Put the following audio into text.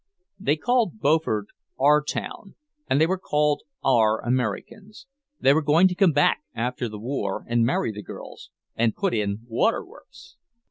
They called Beaufort "our town," and they were called "our Americans." They were going to come back after the war, and marry the girls, and put in waterworks!